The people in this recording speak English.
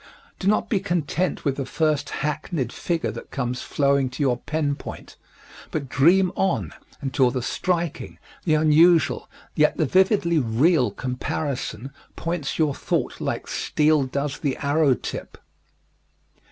Do not be content with the first hackneyed figure that comes flowing to your pen point, but dream on until the striking, the unusual, yet the vividly real comparison points your thought like steel does the arrow tip.